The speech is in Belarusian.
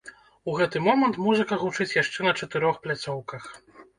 У гэты момант музыка гучыць яшчэ на чатырох пляцоўках!